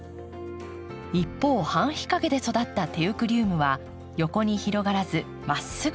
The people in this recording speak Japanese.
一方半日陰で育ったテウクリウムは横に広がらずまっすぐ育っていました。